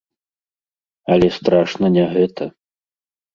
Але страшна не гэта.